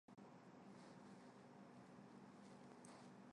湖南黄花稔为锦葵科黄花稔属下的一个种。